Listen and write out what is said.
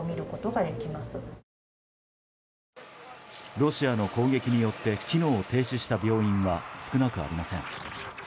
ロシアの攻撃によって機能を停止した病院は少なくありません。